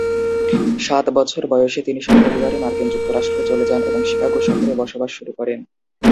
সাত বছর বয়সে তিনি স্বপরিবারে মার্কিন যুক্তরাষ্ট্রে চলে যান এবং শিকাগো শহরে বসবাস শুরু করেন।